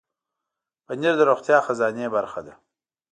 پنېر د روغتیا خزانې برخه ده.